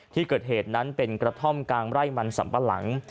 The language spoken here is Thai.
ที่เกิดเหตุนั้นเป็นกระท่อมกลางไร่มันสัมปะหลัง